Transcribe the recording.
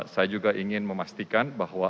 saya juga ingin memastikan bahwa